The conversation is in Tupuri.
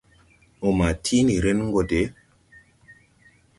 Mo ma tiʼ ndi ren go de!